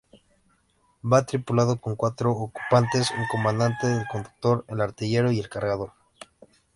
Va tripulado con cuatro ocupantes: un comandante, el conductor, el artillero y el cargador.